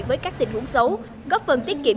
với các tình huống xấu góp phần tiết kiệm